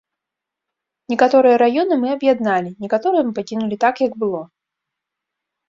Некаторыя раёны мы аб'ядналі, некаторыя мы пакінулі так, як было.